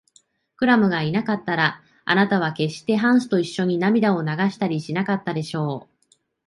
クラムがいなかったら、あなたはけっしてハンスといっしょに涙を流したりしなかったでしょう。